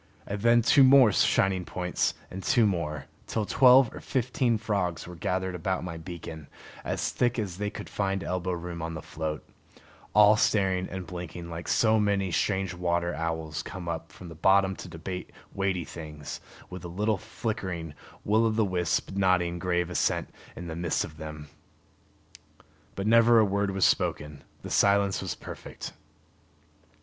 And then two more shining points, and two more, till twelve or fifteen frogs were gathered about my beacon, as thick as they could find elbow room on the float, all staring and blinking like so many strange water owls come up from the bottom to debate weighty things, with a little flickering will o' the wisp nodding grave assent in the midst of them. But never a word was spoken; the silence was perfect.